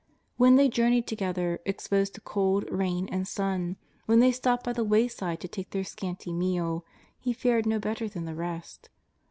When they journeyed together, exposed to cold, rain, and sun, wlien they stopped by the wayside to take their scanty meal. He fared no better than the rest.